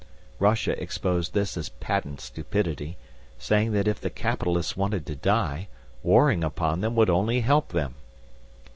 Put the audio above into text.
Russia exposed this as patent stupidity, saying that if the Capitalists wanted to die, warring upon them would only help them.